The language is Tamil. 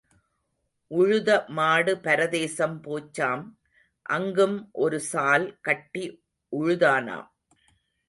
உழுத மாடு பரதேசம் போச்சாம் அங்கும் ஒரு சால் கட்டி உழுதானாம்.